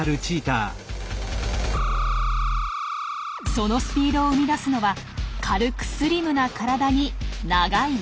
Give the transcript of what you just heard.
そのスピードを生み出すのは軽くスリムな体に長い脚。